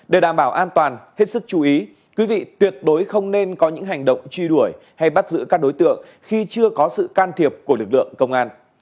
để đảm bảo an toàn hết sức chú ý quý vị tuyệt đối không nên có những hành động truy đuổi hay bắt giữ các đối tượng khi chưa có sự can thiệp của lực lượng công an